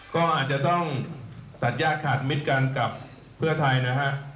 ก็อาจจะต้องตัดยากขาดมิตรกันกับเพื่อไทยนะฮะ